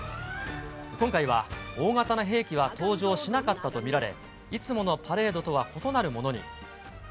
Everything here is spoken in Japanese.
今回は大型な兵器は登場しなかったと見られ、いつものパレードとは異なるものに。